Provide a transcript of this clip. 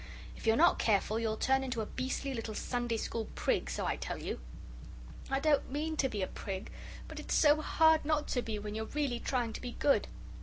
If you're not careful, you'll turn into a beastly little Sunday school prig, so I tell you." "I don't mean to be a prig. But it's so hard not to be when you're really trying to be good."